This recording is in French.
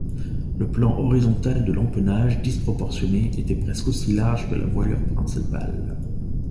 Le plan horizontal de l'empennage, disproportionné, était presque aussi large que la voilure principale.